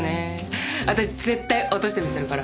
私絶対落としてみせるから。